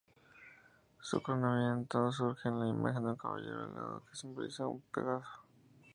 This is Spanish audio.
En su coronamiento surge la imagen de un caballo alado que simboliza a Pegaso.